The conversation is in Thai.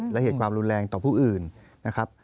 และเหตุความรุนแรงต่อผู้อื่นนะครับ